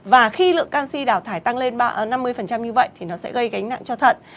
và khi lượng canxi đào thải tăng lên năm mươi như vậy thì nó sẽ gây gánh nặng cho thận